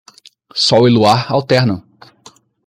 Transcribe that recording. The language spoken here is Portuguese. Sol e luar alternam